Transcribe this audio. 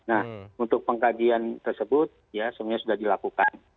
nah untuk pengkajian tersebut ya semuanya sudah dilakukan